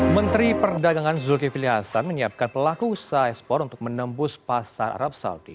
menteri perdagangan zulkifli hasan menyiapkan pelaku usaha ekspor untuk menembus pasar arab saudi